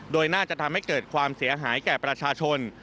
โดยน่าจะทำให้เกิดความเสียหายแก่ประชาชน